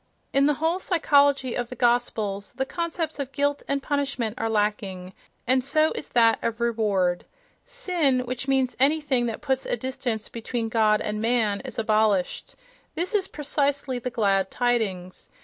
In the whole psychology of the "Gospels" the concepts of guilt and punishment are lacking, and so is that of reward. "Sin," which means anything that puts a distance between God and man, is abolished—this is precisely the "glad tidings."